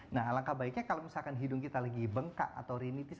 nah alangkah baiknya kalau misalkan hidung kita lagi bengkak atau rinitis